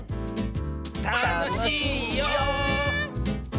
たのしいよ！